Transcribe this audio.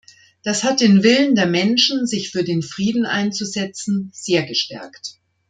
Das hat den Willen der Menschen, sich für den Frieden einzusetzen, sehr gestärkt.